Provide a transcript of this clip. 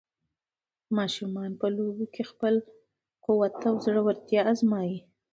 ماشومان په لوبو کې خپل قوت او زړورتیا ازمويي.